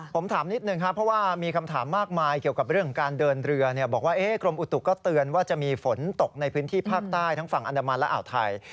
ผมถามนิดนึงครับเพราะว่ามีคำถามมากมายเกี่ยวกับเรื่องของการเดินเรือบอกว่ากรมอุตุก็เตือนว่าจะมีฝนตกในพื้นที่ภาคใต้ทั้งฝั่งอันดามันและอ่าวไทย